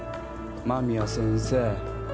間宮先生。